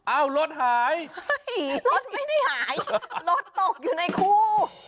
รถหายรถไม่ได้หายรถตกอยู่ในคู่